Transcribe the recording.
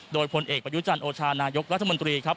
โดยพลเอกประยุจันทร์โอชานายกรัฐมนตรีครับ